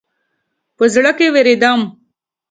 په زړه کې وېرېدم.